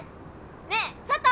ねえちょっと！